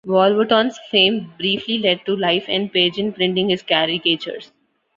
Wolverton's fame briefly led to "Life" and "Pageant" printing his caricatures.